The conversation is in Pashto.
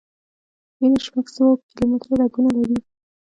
وینه شپږ سوه کیلومټره رګونه لري.